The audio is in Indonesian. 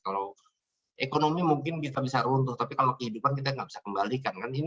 kalau ekonomi mungkin bisa runtuh tapi kalau kehidupan kita nggak bisa kembalikan kan